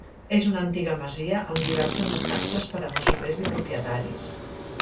És una antiga masia amb diverses estances per a masovers i propietaris.